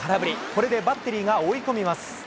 これでバッテリーが追い込みます。